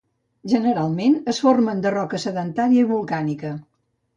Generalment es formen de roca sedentària i volcànica.